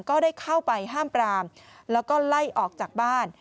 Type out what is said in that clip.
ก็ได้เข้าไปห้ามปรามแล้วก็ไล่ออกจากบ้าน